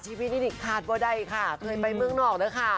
ชีวิตนี้นิดขาดว่าใดค่ะเคยไปเมืองนอกนะค่ะ